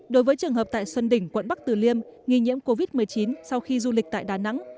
đối với trường hợp tại xuân đỉnh quận bắc tử liêm nghi nhiễm covid một mươi chín sau khi du lịch tại đà nẵng